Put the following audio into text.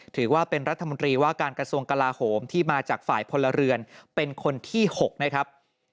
ถือว่าเป็นรัฐมนตรีว่าการกระทรวงกลาโหมที่มาจากฝ่ายพลเรือนเป็นคนที่๖นะครับ